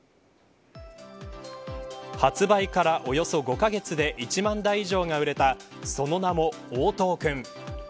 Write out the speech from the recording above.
発売からおよそ５カ月で１万台以上が売れたその名も、応答くん。